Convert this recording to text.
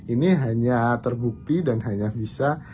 ini hanya terbukti dan hanya bisa